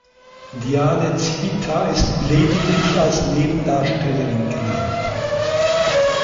Diane Civita ist lediglich als Nebendarstellerin genannt.